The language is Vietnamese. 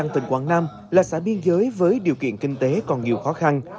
tỉnh quảng nam là xã biên giới với điều kiện kinh tế còn nhiều khó khăn